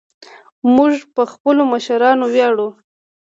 موږ په خپلو مشرانو ویاړو